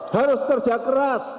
harus kerja keras